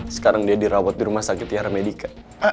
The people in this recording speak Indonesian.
sekarang dia dirawat di rumah sakit tiara medica